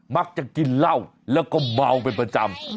มักจะกินเหล้าแล้วก็เมาเป็นประจำ